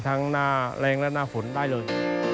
หน้าแรงและหน้าฝนได้เลย